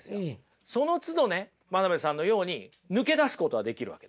そのつどね真鍋さんのように抜け出すことはできるわけです。